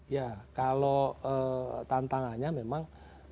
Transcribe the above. ya kalau tantangannya memang